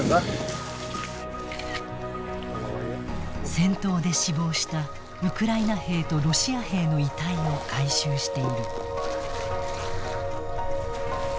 戦闘で死亡したウクライナ兵とロシア兵の遺体を回収している。